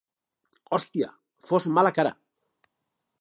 Hòstia, fots mala cara!